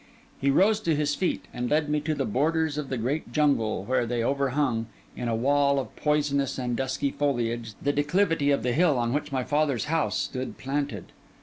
He rose to his feet, and led me to the borders of the great jungle, where they overhung, in a wall of poisonous and dusky foliage, the declivity of the hill on which my father's house stood planted.